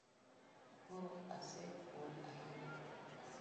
Koro ase ol hahinya .